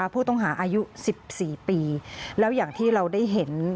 ผู้ต้องหาอายุ๑๔ปีแล้วอย่างที่เราได้เห็น